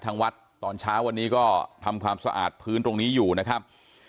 ทางวัดตอนเช้าวันนี้ก็ทำความสะอาดพื้นตรงนี้อยู่นะครับ